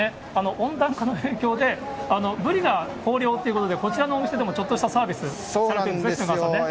温暖化の影響で、ブリが豊漁っていうことで、こちらのお店でもちょっとしたサービそうなんですよ。